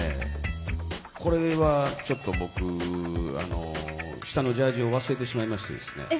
これは、ちょっと僕下のジャージーを忘れてしまいまして。